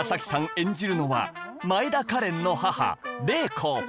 演じるのは前田花恋の母麗子